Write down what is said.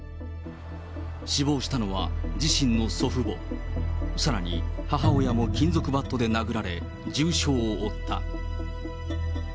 死亡したのは、自身の祖父母、さらに母親も金属バットで殴られ、重傷を負った。